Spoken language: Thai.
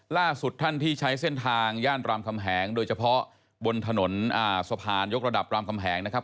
ล่าสุดท่านที่ใช้เส้นทางย่านรามคำแหงโดยเฉพาะบนถนนสะพานยกระดับรามคำแหงนะครับ